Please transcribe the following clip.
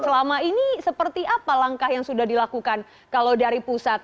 selama ini seperti apa langkah yang sudah dilakukan kalau dari pusat